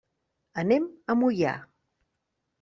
Anem a Moià.